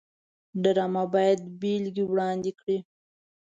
ډرامه باید بېلګې وړاندې کړي